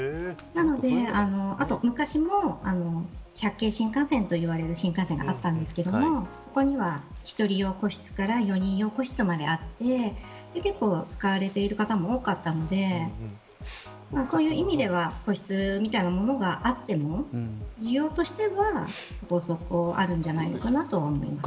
あとは昔の１００系新幹線といわれる新幹線があったんですがそこには１人用個室から４人用個室まであって結構、使われている方も多かったのでそういう意味では個室みたいなものがあっても需要としてはそこそこあるんじゃないのかなと思います。